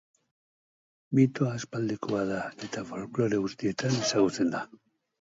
Mitoa aspaldikoa da eta folklore guztietan ezagutzen da.